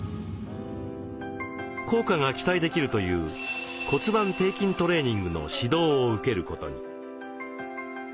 効果が期待できるという「骨盤底筋トレーニング」の指導を受けることに。